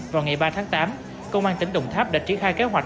vào ngày ba tháng tám công an tỉnh đồng tháp đã triển khai kế hoạch